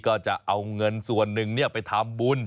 ก็จะเอาเงินส่วนหนึ่งไปทำบุญ